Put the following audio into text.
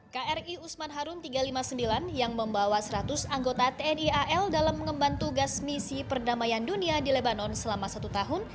kri usman harun tiga ratus lima puluh sembilan yang membawa seratus anggota tni al dalam mengemban tugas misi perdamaian dunia di lebanon selama satu tahun